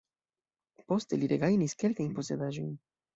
Poste li regajnis kelkajn posedaĵojn.